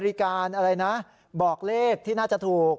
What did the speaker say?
การอะไรนะบอกเลขที่น่าจะถูก